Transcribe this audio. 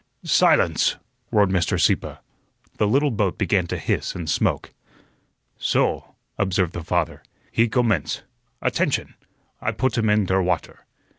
"Silence!" roared Mr. Sieppe. The little boat began to hiss and smoke. "Soh," observed the father, "he gommence. Attention! I put him in der water."